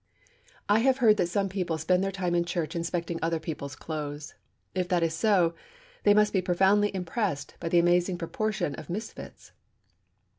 I have heard that some people spend their time in church inspecting other people's clothes. If that is so, they must be profoundly impressed by the amazing proportion of misfits.